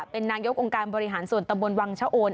เป็นนายกองค์การบริหารส่วนตำบลวังชะโอน